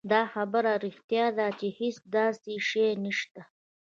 دا خبره رښتيا ده چې هېڅ داسې شی نشته.